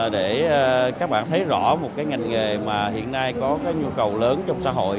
để các bạn thấy rõ một ngành nghề mà hiện nay có nhu cầu lớn trong xã hội